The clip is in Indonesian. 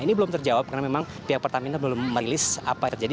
ini belum terjawab karena memang pihak pertamina belum merilis apa yang terjadi